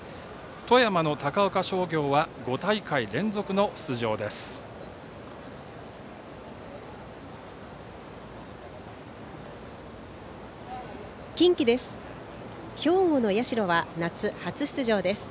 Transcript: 富山の高岡商業は５大会連続の出場です。